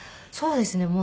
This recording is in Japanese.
そうですね。